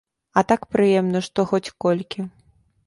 А так прыемна, што хоць колькі.